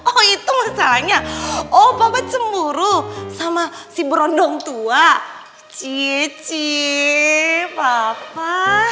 oh itu masalahnya oh bapak cemburu sama si berondong tua cie cie papa